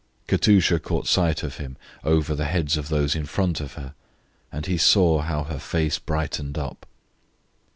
Katusha caught sight of him over the heads of those in front of her, and he saw how her face brightened up.